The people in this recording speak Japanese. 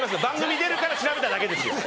番組出るから調べただけです。